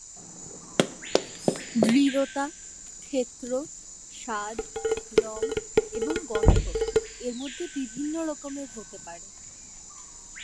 দৃঢ়তা, ক্ষেত্র, স্বাদ, রঙ, এবং গন্ধ এর মধ্যে বিভিন্ন রকমের হতে পারে।